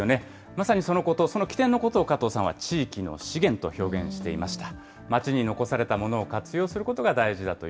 まさにそのこと、そののことを加藤さんは地域の資源と表現していました。